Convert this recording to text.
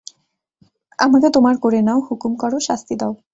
আমাকে তোমার করে নাও– হুকুম করো, শাস্তি দাও।